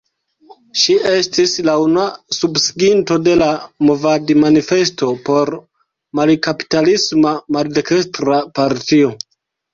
Ŝi estis la unua subsiginto de la movadmanifesto por "malkapistalisma maldekstra partio".